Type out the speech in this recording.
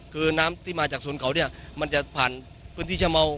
คือน้ำที่มาจากศูนย์เขาเนี่ยมันจะผ่านพื้นที่ชะเมา